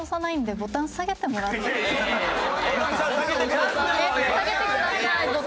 ボタン下げてください。